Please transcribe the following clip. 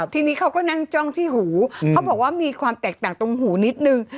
ทีนี้เขาก็นั่งจ้องที่หูเขาบอกว่ามีความแตกต่างตรงหูนิดนึง